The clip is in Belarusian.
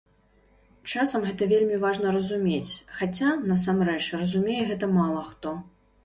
Часам гэта вельмі важна разумець, хаця, насамрэч, разумее гэта мала хто.